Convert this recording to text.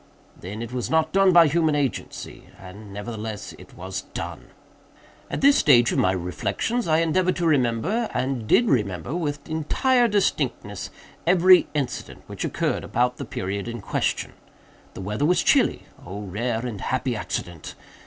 Then it was not done by human agency. And nevertheless it was done. "At this stage of my reflections I endeavored to remember, and did remember, with entire distinctness, every incident which occurred about the period in question. The weather was chilly (oh rare and happy accident!)